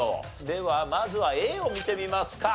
ではまずはＡを見てみますか。